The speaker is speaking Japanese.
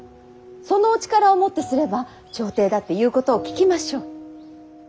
そのお力をもってすれば朝廷だって言うことを聞きましょう。